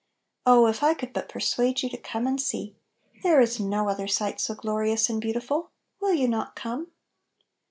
Oh if I could but per suade you to " come and see !" There is no other sight so glorious and beau tiful. Will you not come